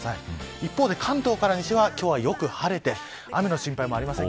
一方、関東から西はよく晴れて雨の心配もありません。